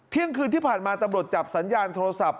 เที่ยงคืนที่ผ่านมาตำรวจจับสัญญาณโทรศัพท์